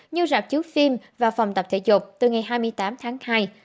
như rạp chiếu phim và phòng tập thể dục từ ngày hai mươi tám tháng hai